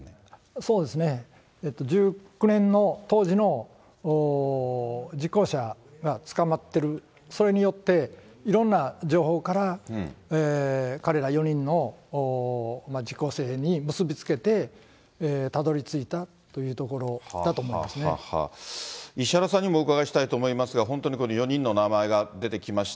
そうですね、１９年の当時の実行者が捕まってる、それによって、いろんな情報から、彼ら４人のに結び付けて、たどりついたというところだと思いま石原さんにもお伺いしたいと思いますが、本当にこの４人の名前が出てきました。